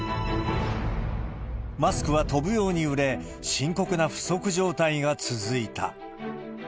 マスクは飛ぶように売れ、深刻な不足状態が続いた。